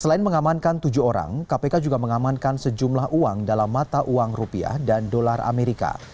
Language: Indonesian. selain mengamankan tujuh orang kpk juga mengamankan sejumlah uang dalam mata uang rupiah dan dolar amerika